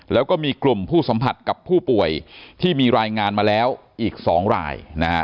แล้วก็มีกลุ่มผู้สัมผัสกับผู้ป่วยที่มีรายงานมาแล้วอีก๒ราย